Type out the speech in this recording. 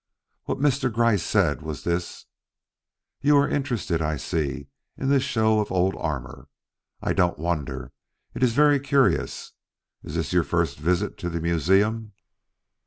What Mr. Gryce said was this: "You are interested I see in this show of old armor? I don't wonder. It is very curious. Is this your first visit to the museum?"